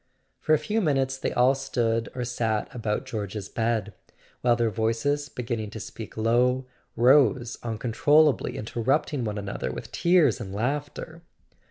For a few minutes they all stood or sat about George's bed, while their voices, beginning to speak low, rose uncontrollably, interrupting one another with tears and laughter.